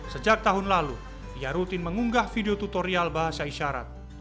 sejak tahun lalu ia rutin mengunggah video tutorial bahasa isyarat